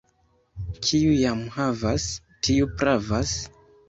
Kiu jam havas, tiu pravas.